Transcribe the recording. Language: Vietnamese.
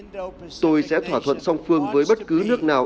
chúng tôi sẽ thỏa thuận song phương với bất cứ nước nào